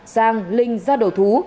sang linh ra đổ thú